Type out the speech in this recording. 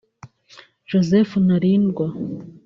Joseph Ntarindwa